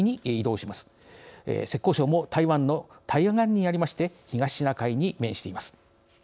浙江省も台湾の対岸にありまして東シナ海に面しています。